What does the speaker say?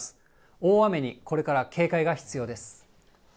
大雨にこれから警戒が必要です。